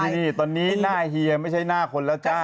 นี่ตอนนี้หน้าเฮียไม่ใช่หน้าคนแล้วจ้า